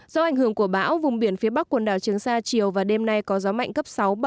do ảnh hưởng của bão vùng biển phía bắc quần đảo trường sa chiều và đêm nay có gió mạnh cấp sáu bảy